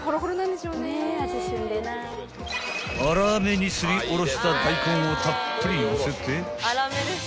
［粗めにすりおろした大根をたっぷりのせて］